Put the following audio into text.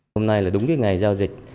hôm nay là đúng cái ngày giao dịch